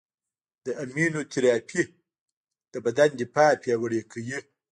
د ایمونوتراپي د بدن دفاع پیاوړې کوي.